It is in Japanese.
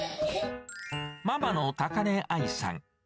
ママの高根愛さん。